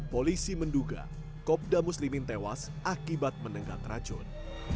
polisi menduga kopda muslimin tewas akibat menenggak racun